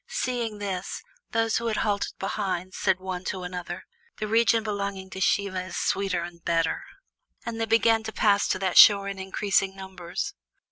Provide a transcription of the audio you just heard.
Seeing this, those who had halted behind said one to another: "The region belonging to Siva is sweeter and better." And they began to pass to that shore in increasing numbers.